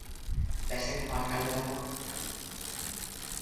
Vese como alcalde da Coruña?